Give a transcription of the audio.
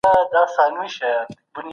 د هغه ښار او محل عرف معتبر دی.